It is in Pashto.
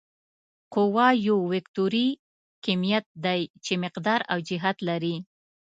قوه یو وکتوري کمیت دی چې مقدار او جهت لري.